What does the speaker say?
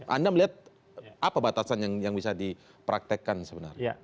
anda melihat apa batasan yang bisa dipraktekkan sebenarnya